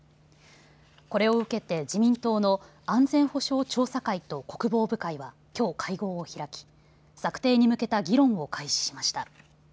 これを受けて自民党の安全保障調査会と国防部会はきょう会合を開き策定に向けた議論を開始しました。